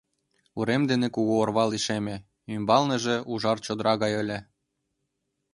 Урем дене кугу орва лишеме, ӱмбалныже ужар чодыра гай ыле.